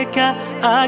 agar aku berhati hati